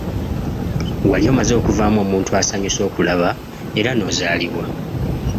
Wali omaze okuvaamu omuntu asanyusa okulaba era n'ozaalibwa.